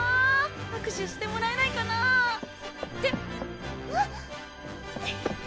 握手してもらえないかなぁって⁉えっ？